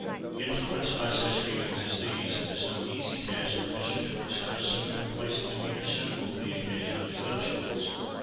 Influenced by such feelings as these, it was no easy task for Mr. Torrens to assume a complacent demeanour suitable to the occasion of his nuptials.